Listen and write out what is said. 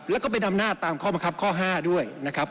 แล้วก็เป็นอำนาจตามข้อบังคับข้อ๕ด้วยนะครับ